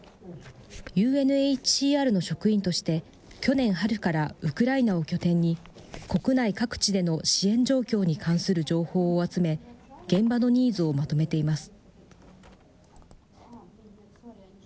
ＵＮＨＣＲの職員として、去年春からウクライナを拠点に、国内各地での支援状況に関する情報を集め、現場のニーズをまとめています。